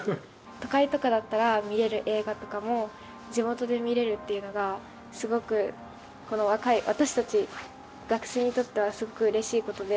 都会とかだったら見られる映画とかも地元で見られるっていうのがすごく若い私たち学生にとってはすごくうれしいことで。